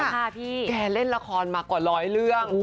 แกเล่นละครมากว่า๑๐๐เรื่อง